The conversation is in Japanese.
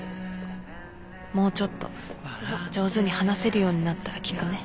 もうちょっと上手に話せるようになったら聞くね